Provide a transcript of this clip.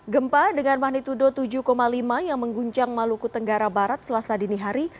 gempa dengan magnitudo tujuh lima yang mengguncang maluku tenggara barat selasa dini hari